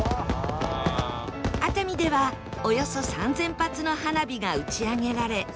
熱海ではおよそ３０００発の花火が打ち上げられ